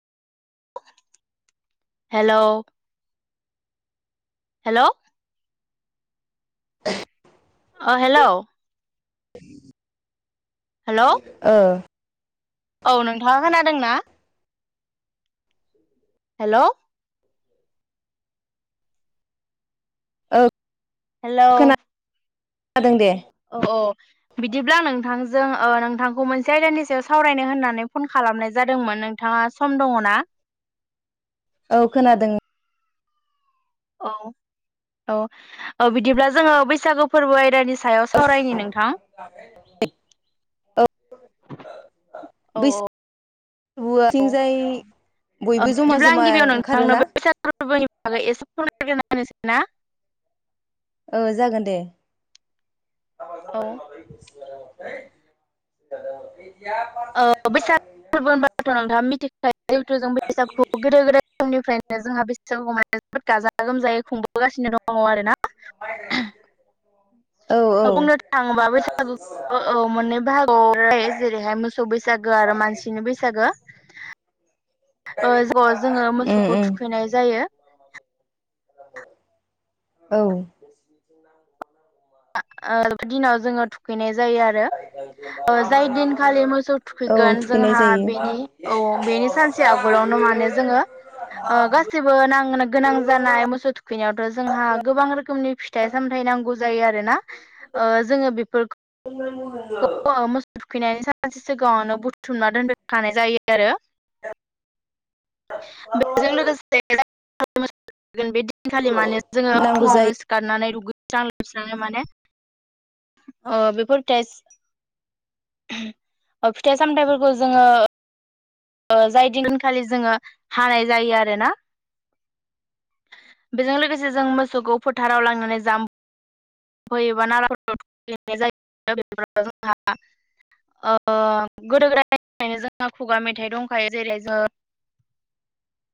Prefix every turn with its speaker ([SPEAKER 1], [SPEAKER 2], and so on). [SPEAKER 1] हेल। Hello.
[SPEAKER 2] [inaudible]
[SPEAKER 1] अ hello. Hello
[SPEAKER 2] ओ।
[SPEAKER 1] औ नोंथाङा खोनादोंना? हेलौ।
[SPEAKER 2] औ।
[SPEAKER 1] हेलौ।
[SPEAKER 2] जादों दे।
[SPEAKER 1] औ बिदिब्ला नोंथांजों नोंथांखौ मोनसे आयदानि सायाव सावरायनो होननानै फन खालाम खालामनाय जादोंमोन नोंथाङा सम दङ ना?
[SPEAKER 2] औ खोनादों।
[SPEAKER 1] औ औ औ बिदिब्ला जोङो बैसागु फोरबो आइ दा नि सायाव सावरायनि नोंथां।
[SPEAKER 2] औ
[SPEAKER 1] औ औ।
[SPEAKER 2] थिंजाय
[SPEAKER 1] अ बिदिब्ला आं गिबियाव नोंथांनोबो बैसागु फोरबोनि बागै एसे फोरमाय ग्रोनि आरोना।
[SPEAKER 2] औ जागोन दे।
[SPEAKER 1] औ बैसागु फोरबो होनबाथ'
[SPEAKER 2] [unintelligible]
[SPEAKER 1] नोंथाङा मिथिखायो इउटुबजों बैसागु गोदो गोदाय समनिफ्रायनो जोंहा बैसागु जोबोद गाजा गोमजायै खुंबोगासिनो दङ आरो ना।
[SPEAKER 2] [unintelligible] उम
[SPEAKER 1] बुंनो थाङोबा बैसागुखौ मोननै बाहागोआव राननाय जायो जेरैहाय मोसौ बैसागो आरो मानसिनि बैसागो। ओ जोङो मोसौखौ
[SPEAKER 2] उम
[SPEAKER 1] थुखैनाय जायो।
[SPEAKER 2] औ।
[SPEAKER 1] ओ दिनाव जोङो थुखैनाय जायो आरो। ओ जाय दिनखालि मोसौ
[SPEAKER 2] औ
[SPEAKER 1] थुखैगोन
[SPEAKER 2] थुखैनाय
[SPEAKER 1] जोंहा
[SPEAKER 2] जायो
[SPEAKER 1] बेनि औ बेनि सानसे आवगोल नावनो माने जोङो गासैबो गोनां जानाय मोसौ थुखैनायावथ' जोंहा गोबां रोखोमनि फिथाइ सामथायाइ नांगौ जायो आर ना ओ जोङो बिफोरखौ मोसौ थुखैनायनि सानसे सिगाङावनो बुथुमना दोनबोखानाय जायो आरो बेजों लोगोसे बे दिनखालि माने जोङो
[SPEAKER 2] नांगौ जायो
[SPEAKER 1] फुङावनो सिखारनानै लुगैस्रां लोबस्रां माने बेफोर टेस फिथाइ-सामथाइफोरखौ जोङो ओ जाय दिनखालि जोङो हानाय जायो आरोना बेजों लोगोसे जों मोसौखौ फोथाराव लांनानै जाम [inaudible] ओ गोदो गोदायनिफ्रायनो जोंहा खुगा मेथाइ दंखायो जेरै जों [inaudible]